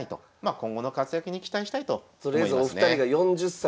今後の活躍に期待したいと思いますね。